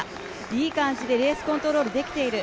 いい感じでレースコントロールできている。